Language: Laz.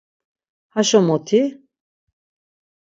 Haşo moti?